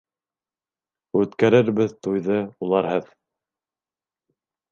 Үткәрербеҙ туйҙы уларһыҙ!